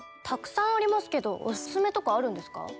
たくさんありますけどオススメとかあるんですか？